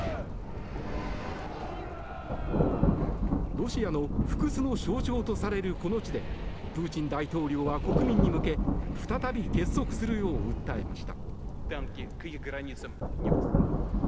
ロシアの不屈の象徴とされるこの地でプーチン大統領は国民に向け再び結束するよう訴えました。